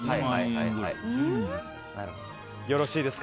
よろしいですか？